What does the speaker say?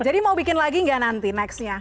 jadi mau bikin lagi gak nanti next nya